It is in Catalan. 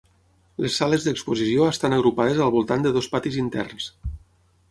Les sales d'exposició estan agrupades al voltant de dos patis interns.